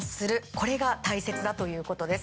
これが大切だということです。